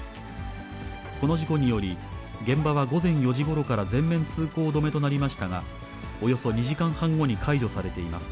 この事故により、現場は午前４時ごろから全面通行止めとなりましたが、およそ２時間半後に解除されています。